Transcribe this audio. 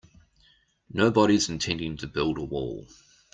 Nobody's intending to build a wall.